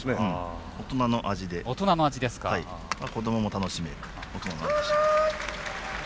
大人の味で子供も楽しめる大人の味でした。